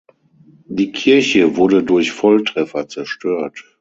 Die Kirche wurde durch Volltreffer zerstört.